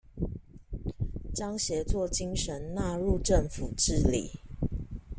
將協作精神納入政府治理